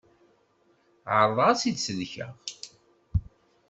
Ԑerḍeɣ ad tt-id-sellkeɣ.